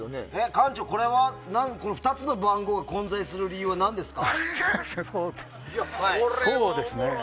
館長、これはこの２つの番号が混在する理由は何ですか。